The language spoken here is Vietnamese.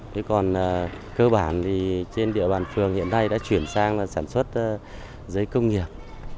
thế còn cơ bản thì trên địa bàn phường hiện nay đã chuyển sang là sản xuất giấy công nghiệp